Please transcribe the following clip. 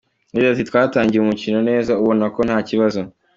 Yagize ati “Twatangiye umukino neza ubona ko nta kibazo.